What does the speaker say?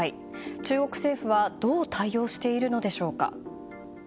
中国政府はどう対応しているのでしょうか。